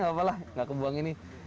nggak apa apa lah nggak kebuang ini